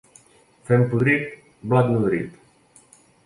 Fem podrit, blat nodrit.